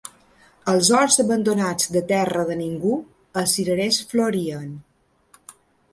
Als horts abandonats de terra de ningú els cirerers florien